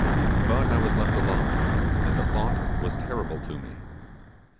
But I was left alone, and the thought was terrible to me.